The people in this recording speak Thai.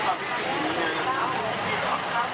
๕โมงตรงนี้เขาหมดแล้ว